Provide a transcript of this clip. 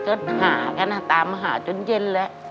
ก็หากันตามหาจนเย็นแล้ว